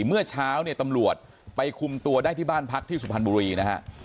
เมื่อเช้าเนี่ยตำรวจไปคุมตัวได้ที่บ้านพักที่สุพรรณบุรีนะฮะ